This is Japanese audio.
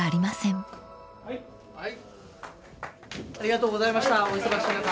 はい。